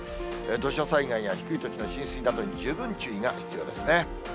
土砂災害や低い土地の浸水などに十分注意が必要ですね。